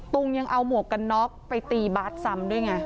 งยังเอาหมวกกันน็อกไปตีบาร์ดซ้ำด้วยไง